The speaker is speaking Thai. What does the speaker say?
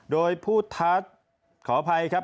โดยผู้ทักขออภัยครับ